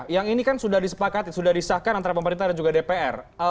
yang ini kan sudah disepakati sudah disahkan antara pemerintah dan juga dpr